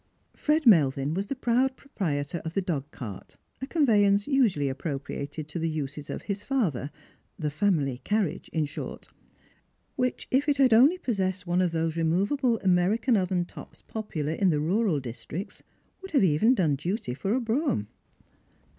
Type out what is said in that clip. Fred Melvin was the proud proprietor of the dogcart, a con veyance usually apijroprialed to the uses of his father — the family carriage, in short — which, if it had only possessed one of those removable Amencan oven tops pojjular in the rural dis tricts would liave even done duty for a brougham.